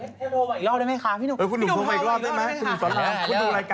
ส่งไลน์หรือเฮโรบอีกรอบได้ไหมคะพี่หนุ่มพาอีกรอบได้ไหมคะ